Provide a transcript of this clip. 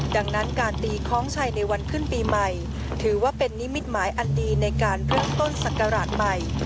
ดังนั้นการตีคล้องชัยในวันขึ้นปีใหม่ถือว่าเป็นนิมิตหมายอันดีในการเริ่มต้นศักราชใหม่